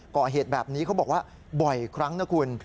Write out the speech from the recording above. ก่อเหตุแบบนี้เขาบอกว่าบ่อยครั้งนะคุณ